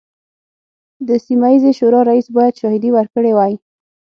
د سیمه ییزې شورا رییس باید شاهدې ورکړي وای.